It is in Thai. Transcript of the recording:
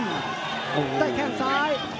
ได้แข้งซ้าย